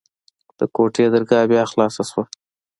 د کوټې درګاه بيا خلاصه سوه.